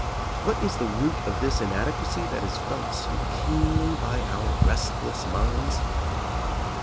What is the root of this inadequacy that is felt so keenly by our restless minds'?